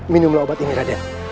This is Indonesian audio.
minumlah obat ini raden